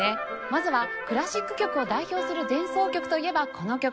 まずはクラシック曲を代表する前奏曲といえばこの曲。